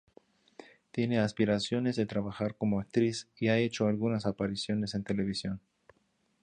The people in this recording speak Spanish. Tiene aspiraciones de trabajar como actriz y ha hecho algunas apariciones en televisión.